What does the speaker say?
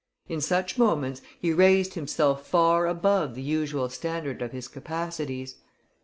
In such moments he raised himself far above the usual standard of his capacities.